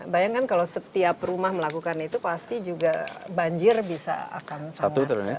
bayangkan kalau setiap rumah melakukan itu pasti juga banjir bisa akan sangat